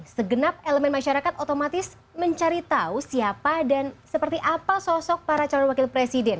segenap elemen masyarakat otomatis mencari tahu siapa dan seperti apa sosok para calon wakil presiden